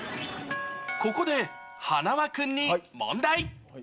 ここで、はなわ君に問題。